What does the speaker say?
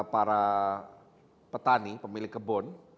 para petani pemilik kebun